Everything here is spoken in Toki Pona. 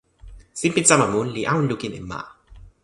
sinpin sama mun li awen lukin e ma.